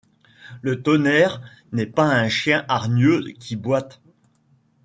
Le tonnerre n'est pas un chien hargneux qui boite